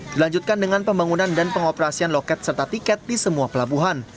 dilanjutkan dengan pembangunan dan pengoperasian loket serta tiket di semua pelabuhan